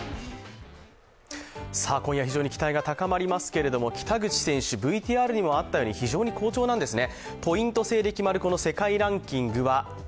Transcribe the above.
今夜非常に期待が高まりますけど北口選手、ＶＴＲにもあったように非常に好調なんですね。